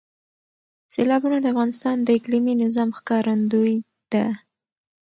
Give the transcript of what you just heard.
سیلابونه د افغانستان د اقلیمي نظام ښکارندوی ده.